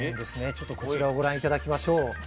ちょっとこちらをご覧頂きましょう。